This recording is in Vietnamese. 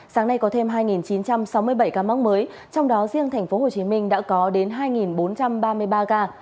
sáng nay có thêm hai chín trăm sáu mươi bảy ca mắc mới trong đó riêng tp hcm đã có đến hai bốn trăm ba mươi ba ca